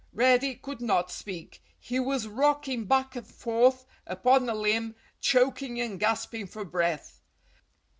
Reddy could not speak. He was rocking back and forth upon a limb, choking and gasping for breath.